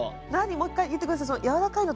もう一回言って下さい。